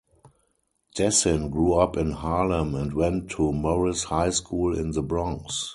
Dassin grew up in Harlem and went to Morris High School in the Bronx.